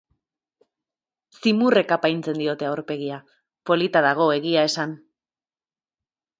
Zimurrek apaintzen diote aurpegia; polita dago, egia esan.